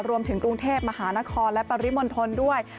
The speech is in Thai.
รวมถึงกรุงเทพมหานครและปริมณฑลด้วย